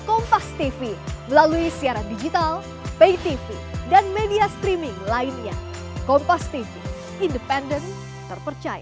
ini ideal ini yang akan menciptakan kerusakan itu